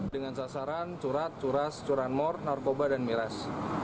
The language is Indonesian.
dengan sasaran curat curas curanmor narkoba dan miras